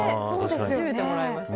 初めてもらいました。